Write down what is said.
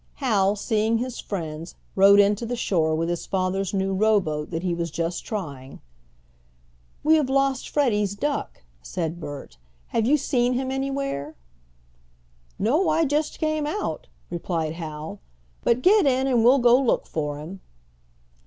Hal, seeing his friends, rowed in to the shore with his father's new rowboat that he was just trying. "We have lost Freddie's duck," said Bert. "Have you seen him anywhere?" "No, I just came out," replied Hal. "But get in and we'll go look for him."